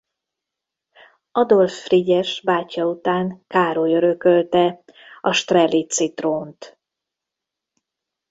Adolf Frigyes bátyja után Károly örökölte a strelitzi trónt.